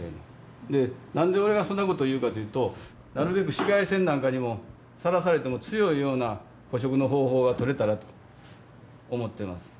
で何で俺がそんなこと言うかというとなるべく紫外線なんかにもさらされても強いような古色の方法がとれたらと思ってます。